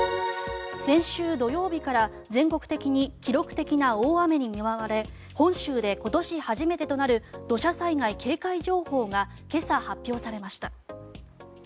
先週土曜日から全国的に記録的な大雨に見舞われ本州で今年初めてとなる土砂災害警戒情報が今朝発表されました。